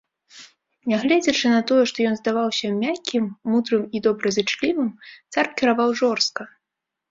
Нягледзячы на тое, што ён здаваўся мяккім, мудрым і добразычлівым, цар кіраваў жорстка.